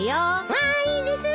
わーいです！